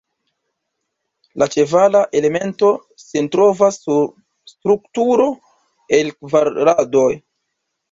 La ĉevala elemento sin trovas sur strukturo el kvar radoj.